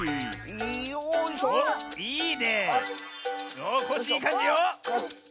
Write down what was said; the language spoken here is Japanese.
おっコッシーいいかんじよ。